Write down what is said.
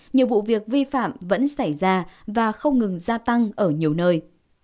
nhiều vụ việc vi phạm vẫn xảy ra và không ngừng gia tăng ở nhiều nơi